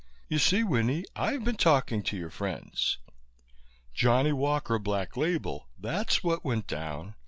You see, Winnie, I've been talking to your friends. Johnny Walker, Black Label, that's what went down.